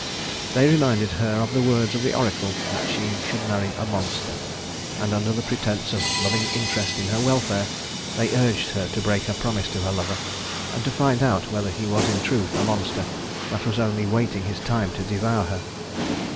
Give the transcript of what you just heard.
They reminded her of the words of the oracle that she should marry a monster; and under the pretense of a loving interest in her welfare, they urged her to break her promise to her lover and to find out whether he was in truth a monster that was only waiting his time to devour her.